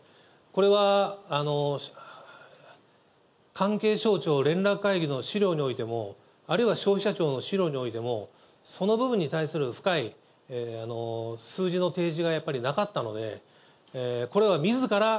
これは関係省庁連絡会議の資料においても、あるいは消費者庁の資料においても、その部分に対する深い数字の提示がやっぱりなかったので、これはみずから